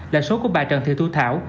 là số của bà trần thị thu thảo